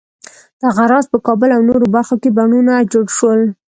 دغه راز په کابل او نورو برخو کې بڼونه جوړ شول.